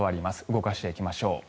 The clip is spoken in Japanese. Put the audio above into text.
動かしていきましょう。